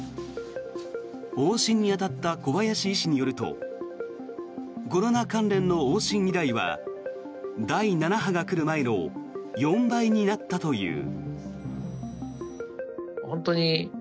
往診に当たった小林医師によるとコロナ関連の往診依頼は第７波が来る前の４倍になったという。